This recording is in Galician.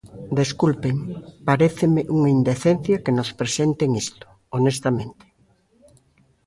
Desculpen, paréceme unha indecencia que nos presenten isto, honestamente.